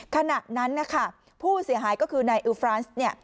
ขณะนั้นนะคะผู้เสียหายก็คือนายอูฟรานซ์